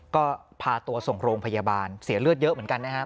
ก็พาตัวส่งโรงพยาบาลเสียเลือดเยอะเหมือนกันนะครับ